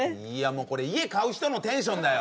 もうこれ家買う人のテンションだよ